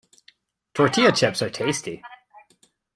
Tortilla chips are tasty.